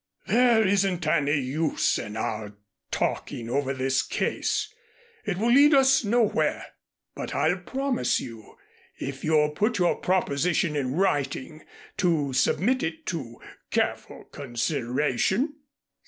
"There isn't any use in our talking over this case. It will lead us nowhere. But I'll promise you if you'll put your proposition in writing to submit it to careful consideration."